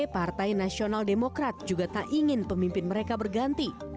partai nasional demokrat juga tak ingin pemimpin mereka berganti